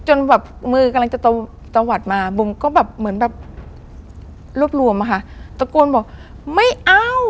จนแบบมือกำลังจะตะวัดมาบุ๋มก็แบบเหมือนแบบรวบรวมอะค่ะตะโกนบอกไม่เอา